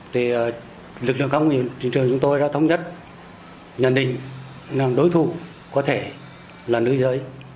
thì lực lượng công nghiệp trên trường chúng tôi đã thống nhất nhận định đối thủ có thể là nước giới